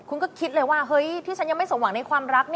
คุณก็คิดเลยว่าเฮ้ยที่ฉันยังไม่สมหวังในความรัก